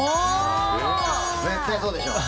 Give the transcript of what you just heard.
絶対そうでしょ。